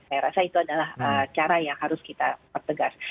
saya rasa itu adalah cara yang harus kita pertegas